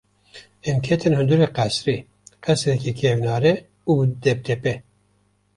Em ketin hundirê qesirê; qesirekê kevnare û bi depdepe.